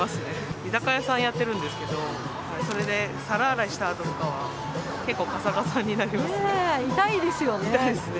居酒屋さんやってるんですけど、それで皿洗いしたあととかは、結痛いですよね。